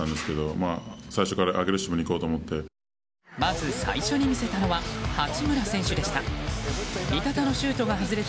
まず最初に見せたのは八村選手でした。